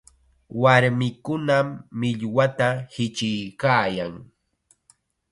Warmikunam millwata hichiykaayan.